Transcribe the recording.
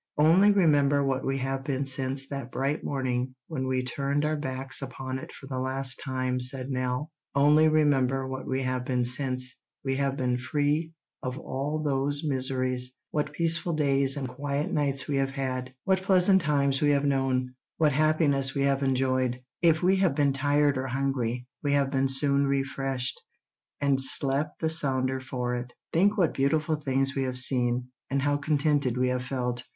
"Only remember what we have been since that bright morning when we turned our backs upon it for the last time," said Nell; "only remember what we have been since we have been free of all those miseries—what peaceful days and quiet nights we have had—what pleasant times we have known—what happiness we have enjoyed. If we have been tired or hungry, we have been soon refreshed, and slept the sounder for it. Think what beautiful things we have seen, and how contented we have felt.